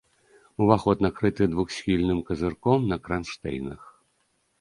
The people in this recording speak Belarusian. Уваход накрыты двухсхільным казырком на кранштэйнах.